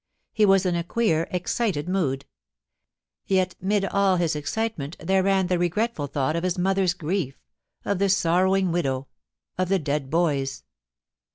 He was in a queer, excited mood; yet 'mid all his cKcitement there ran the regretful thought of his mother's grief, of the sorrowing widow, of the dead boys.